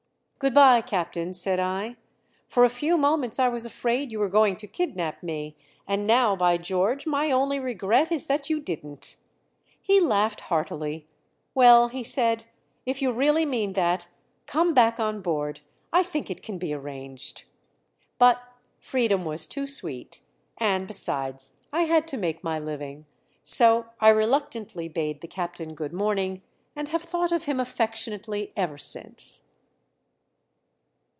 "Good by, Captain," said I. "For a few moments I was afraid you were going to kidnap me and now, by George! my only regret is that you didn't!" He laughed heartily. "Well," he said, "if you really mean that, come back on board. I think it can be arranged." But freedom was too sweet, and besides I had to make my living; so I reluctantly bade the captain good morning, and have thought of him affectionately ever since.